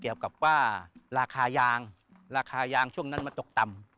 เกี่ยวกับว่าราคายางราคายางช่วงนั้นมันตกต่ำ